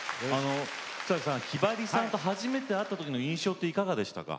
綱木さんひばりさんと初めて会った時の印象っていかがでしたか？